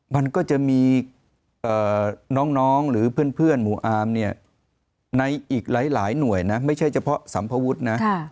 มันก็จะมีน้องหรือเพื่อนหมู่อามเนี่ยในอีกหลายหน่วยนะไม่ใช่เฉพาะสัมภวุฒินะ